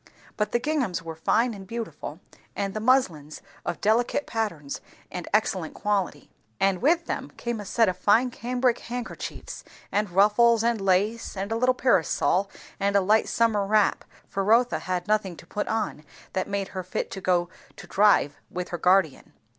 But the ginghams were fine and beautiful, and the muslins of delicate patterns and excellent quality; and with them came a set of fine cambrick handkerchiefs, and ruffles, and lace, and a little parasol, and a light summer wrap; for Rotha had nothing to put on that made her fit to go to drive with her guardian.